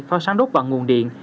pháo sáng đốt bằng nguồn điện